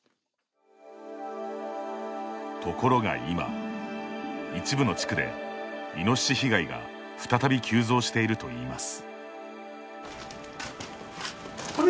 ところが今、一部の地区でイノシシ被害が再び急増しているといいます。